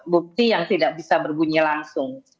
bukti yang tidak bisa berbunyi langsung